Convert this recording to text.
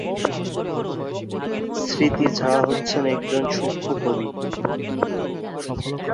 স্মৃতি ঝা হচ্ছেন একজন সূক্ষ্ম কবি।